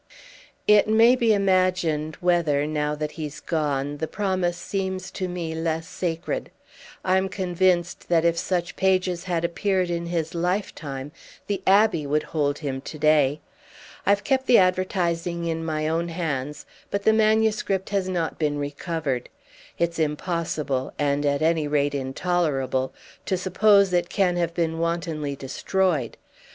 It may be imagined whether, now that he's gone, the promise seems to me less sacred. I'm convinced that if such pages had appeared in his lifetime the Abbey would hold him to day. I've kept the advertising in my own hands, but the manuscript has not been recovered. It's impossible, and at any rate intolerable, to suppose it can have been wantonly destroyed.